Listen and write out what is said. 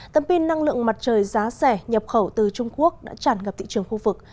tấm pin năng lượng mặt trời giá rẻ nhập khẩu từ trung quốc đã tràn ngập thị trường khu vực